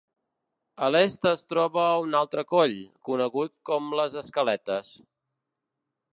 A l'est es troba un altre coll, conegut com les Escaletes.